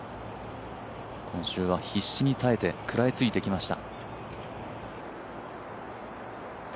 今週は必死に耐えて食らいついてきました。